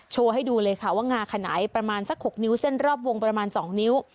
ให้ดูเลยค่ะว่างาขนาดไหนประมาณสัก๖นิ้วเส้นรอบวงประมาณ๒นิ้ว